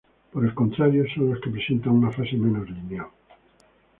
Por el contrario son los que presentan una fase menos lineal.